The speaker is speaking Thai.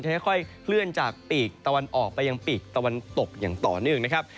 ค่อยเคลื่อนจากปีกตะวันออกไปยังปีกตะวันตกอย่างต่อเนื่องนะครับ